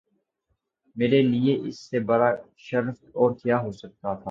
میرے لیے اس سے بڑا شرف اور کیا ہو سکتا تھا